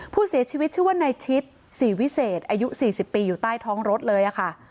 ผู้เสียชีวิตชื่อว่านายชิดศรีวิเศษอายุ๔๐ปีอยู่ใต้ท้องรถเลยค่ะ